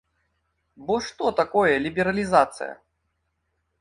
Бо што такое лібералізацыя?